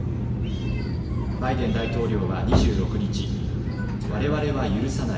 バイデン大統領は２６日、われわれは許さない。